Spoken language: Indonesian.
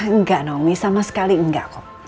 enggak nomi sama sekali enggak kok